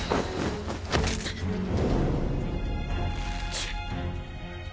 チッ。